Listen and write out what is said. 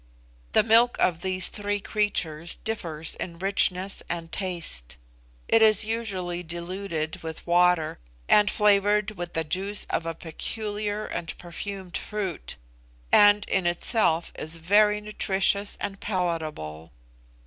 The milk of these three creatures differs in richness and taste. It is usually diluted with water, and flavoured with the juice of a peculiar and perfumed fruit, and in itself is very nutritious and palatable.